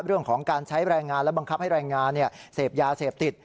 เรื่องของการใช้แรงงานและบังคับให้แรงงานเสพยาเสพติด